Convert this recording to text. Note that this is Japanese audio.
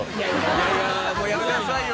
いやいやもうやめなさいよ。